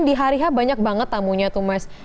di hari h banyak banget tamunya tuh mas